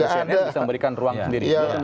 kepolisiannya bisa memberikan ruang sendiri